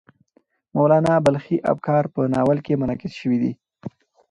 د مولانا بلخي افکار په ناول کې منعکس شوي دي.